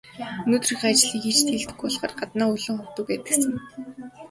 Өдрийнхөө ажлыг хийж дийлдэггүй болохоор дандаа өлөн ховдог байдагсан.